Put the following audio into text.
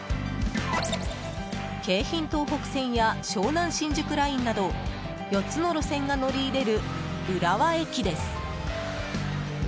京浜東北線や湘南新宿ラインなど４つの路線が乗り入れる浦和駅です。